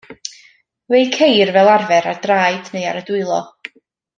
Fe'i ceir fel arfer ar draed neu ar y dwylo.